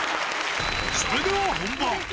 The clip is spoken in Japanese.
それでは本番。